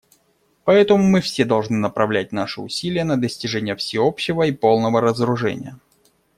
Поэтому все мы должны направлять наши усилия на достижение всеобщего и полного разоружения.